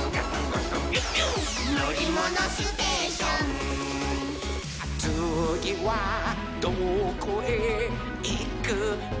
「のりものステーション」「つぎはどこへいくのかなほら」